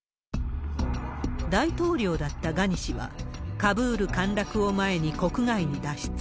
大統領だったガニ氏は、カブール陥落を前に国外に脱出。